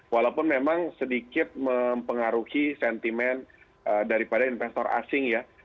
walaupun memang sedikit mempengaruhi sentimen daripada investor asing ya